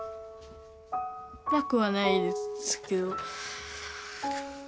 なくはないですけど。